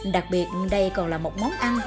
đặc biệt đây còn là một món ăn